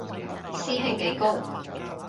師兄幾高